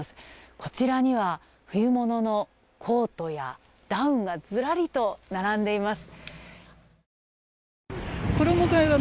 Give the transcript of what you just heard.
こちらには冬物のコートやダウンがずらりと並んでいます。